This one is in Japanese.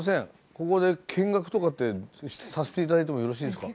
ここで見学とかってさして頂いてもよろしいですか？